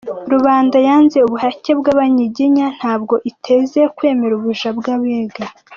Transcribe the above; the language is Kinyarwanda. Rubanda yanze ubuhake bw’Abanyiginya, ntabwo iteze kwemera ubuja bw’Abega.